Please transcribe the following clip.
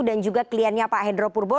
dan juga kliennya pak hendro purbo